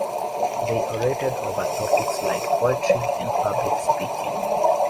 They orated over topics like poetry and public speaking.